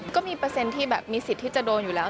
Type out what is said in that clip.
ก็มีเปอร์เซ็นต์ที่แบบมีสิทธิ์ที่จะโดนอยู่แล้ว